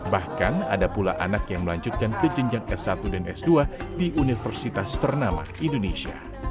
bahkan ada pula anak yang melanjutkan ke jenjang s satu dan s dua di universitas ternama indonesia